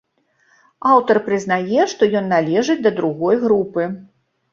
Аўтар прызнае, што ён належыць да другой групы.